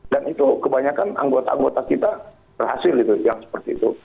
dan itu kebanyakan anggota anggota kita berhasil itu yang seperti itu